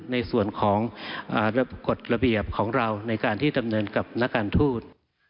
ในส่วนของกฎระเบียบของเราในการที่ดำเนินกับนักการทูต